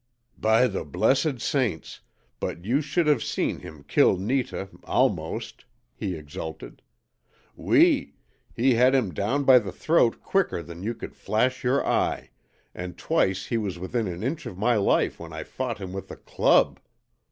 "By the Blessed Saints, but you should have seen him kill Netah almost," he exulted. "OUI; he had him down by the throat quicker than you could flash your eye, and twice he was within an inch of my life when I fought him with the club.